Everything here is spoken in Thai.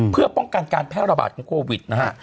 เพื่อป้องกันการแพร่ระบาดของโควิดนะฮะ